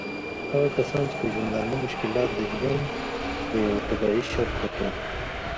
هغه کسان چې د ژوندانه مشکلات د ژوند د یوه طبعي شرط په توګه